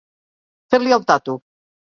Fer-li el tato.